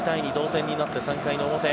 ２対２同点になって３回の表。